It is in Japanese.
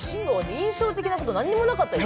印象的なこと、何もなかったよ。